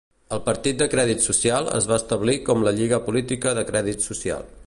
El Partit de crèdit social es va establir com la Lliga política de crèdit social.